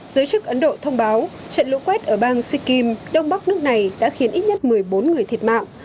giới chức ấn độ thông báo trận lũ quét ở bang sikkim đông bắc nước này đã khiến ít nhất một mươi bốn người thiệt mạng